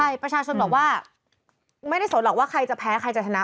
ใช่ประชาชนบอกว่าไม่ได้สนหรอกว่าใครจะแพ้ใครจะชนะ